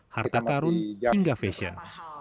harta karun hingga fashion